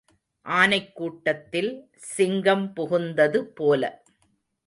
ஆனைக் கூட்டத்தில் சிங்கம் புகுந்தது போல.